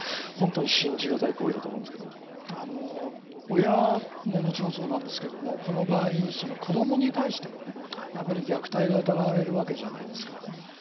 信じがたい行為だと親ももちろんそうですがこの場合、子どもに対しても虐待が疑われるわけじゃないですか。